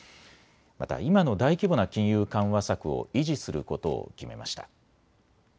また今の大規模な金融緩和策を維持することを決めました。